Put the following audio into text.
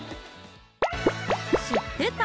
知ってた？